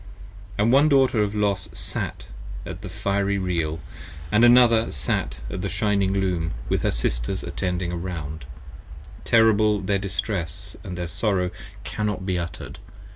And one Daughter of Los sat at the fiery Reel & another Sat at the shining Loom with her Sisters attending round: Terrible their distress & their sorrow cannot be utter'd.